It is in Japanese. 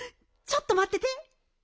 ちょっとまってて。